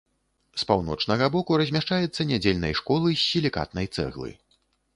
З паўночнага боку размяшчаецца нядзельнай школы з сілікатнай цэглы.